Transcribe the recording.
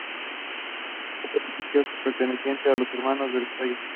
Fue un religioso perteneciente a los Hermanos de La Salle.